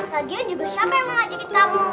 kagian juga siapa yang mau ngajakin kamu